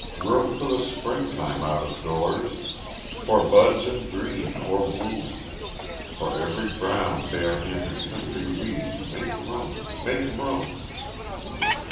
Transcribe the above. Room for the springtime out of doors, For buds in green or bloom; For every brown bare handed country weed Make room make room!